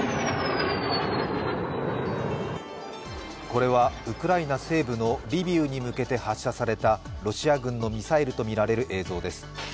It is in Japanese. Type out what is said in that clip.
これはウクライナ西部のリビウに向けて発射されたロシア軍のミサイルとみられる映像です。